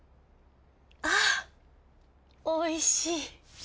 あおいしい。